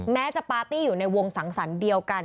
แม้จะปาร์ตี้อยู่ในวงสังสรรค์เดียวกัน